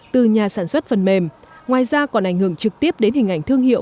từ nhà sản xuất phần mềm ngoài ra còn ảnh hưởng trực tiếp đến hình ảnh thương hiệu